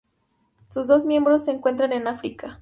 Sus dos miembros se encuentran en África.